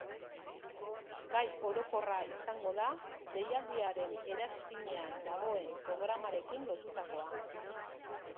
Gai orokorra izango da, deialdiaren eranskinean dagoen programarekin lotutakoa.